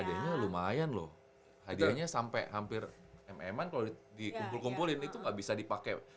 hadiahnya lumayan loh hadiahnya sampai hampir emang emang kalau dikumpul kumpulin itu gak bisa dipakai